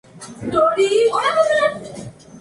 Finalmente fueron suspendidos.